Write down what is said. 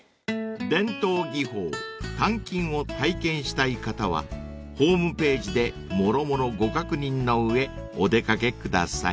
［伝統技法鍛金を体験したい方はホームページでもろもろご確認の上お出掛けください］